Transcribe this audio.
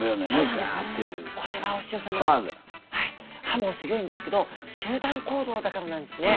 歯もすギョいんですけど集団行動だからなんですね。